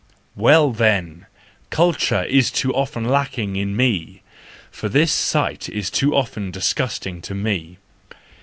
"—Well then! culture is too often lacking in me, for this sight is too often disgusting to me.